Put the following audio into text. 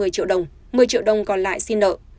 một mươi triệu đồng một mươi triệu đồng còn lại xin nợ